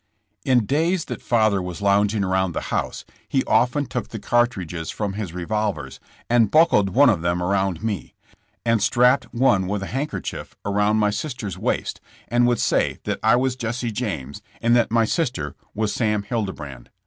In days ^at father was lounging around the house, he often took the cartridges from his revolvers and buckled one of them around me, and strapped one with a handkerchief around my sister 's waist, and would say that I was Jesse James and that my sister was Sam Hildebrand.